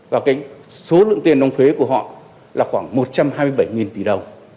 và cái số lượng tiền đóng thuế của họ là khoảng một trăm hai mươi bảy tỷ đồng